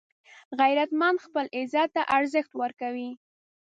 غیرتمند خپل عزت ته ارزښت ورکوي